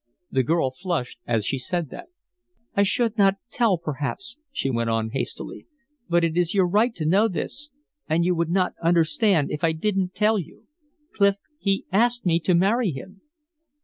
The girl flushed as she said that. "I should not tell, perhaps," she went on, hastily. "But it is your right to know this, and you would not understand if I didn't tell you. Clif, he asked me to marry him."